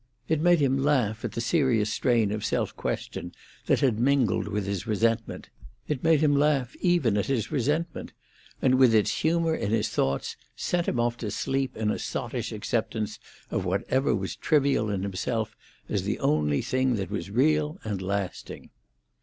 It made him laugh at the serious strain of self question that had mingled with his resentment; it made him laugh even at his resentment, and with its humour in his thoughts, sent him off to sleep in a sottish acceptance of whatever was trivial in himself as the only thing that was real and lasting.